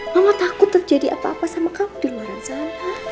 mama takut terjadi apa apa sama kamu di luar sana